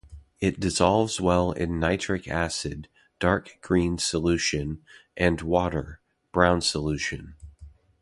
It dissolves well in nitric acid (dark green solution) and water (brown solution).